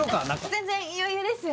全然余裕ですよ。